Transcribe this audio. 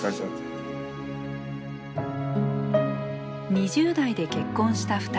２０代で結婚した２人。